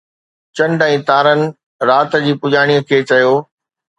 چنڊ ۽ تارن رات جي پڄاڻيءَ کي چيو